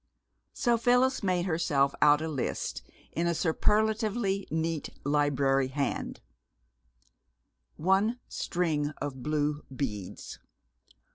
So Phyllis made herself out a list in a superlatively neat library hand: One string of blue beads.